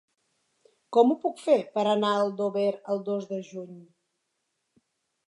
Com ho puc fer per anar a Aldover el dos de juny?